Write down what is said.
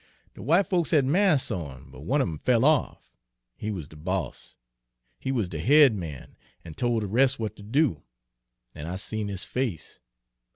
De w'ite folks had masks on, but one of 'em fell off, he wuz de boss, he wuz de head man, an' tol' de res' w'at ter do, an' I seen his face.